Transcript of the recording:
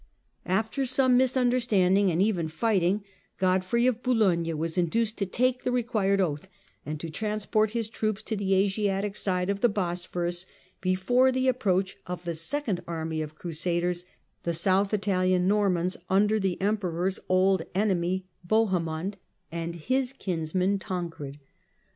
After some misunderstanding and even fighting, Godfrey of Boulogne was induced to take the required oath, and to transport his troops to the Asiatic side of the Bosphorus, before the approach of the second army of Crusaders, the South Italian Normans, under the Emperor's old enemy Bohe THE COMNENI AND THE TWO FIRST CRUSADES 141 )nd and his kinsman Tancred.